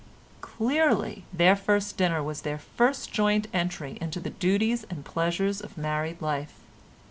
Clearly their first dinner was their first joint entry into the duties and pleasures of married life.